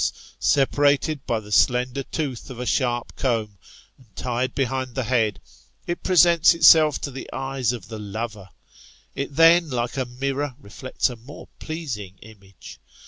e, the tears of myrrh] separated by the slender tooth of a sharp comb, and tied behind the head, it presents itself to the eyes of the lover, — it then, like a mirror, reflects a more pleasing image.